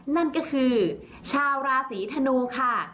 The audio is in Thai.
นั่นก็คือชาวราศีธนูค่ะ